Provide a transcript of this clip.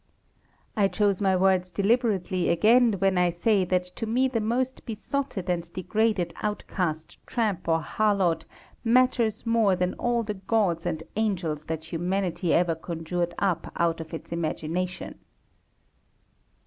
I choose my words deliberately again when I say that to me the most besotted and degraded outcast tramp or harlot matters more than all the gods and angels that humanity ever conjured up out of its imagination.